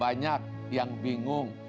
banyak yang bingung